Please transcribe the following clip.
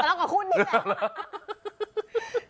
ทะเลาะกับคุณดิ